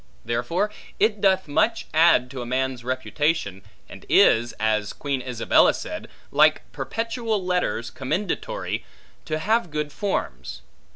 Therefore it doth much add to a man's reputation, and is (as Queen Isabella said) like perpetual letters commendatory, to have good forms.